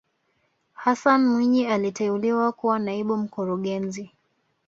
hassan mwinyi aliteuliwa kuwa naibu mkurugenzi